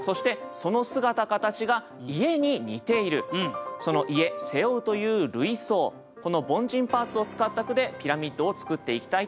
今回はその「家」「背負う」という類想この凡人パーツを使った句でピラミッドを作っていきたいと思います。